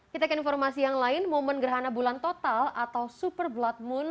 kita ke informasi yang lain momen gerhana bulan total atau super blood moon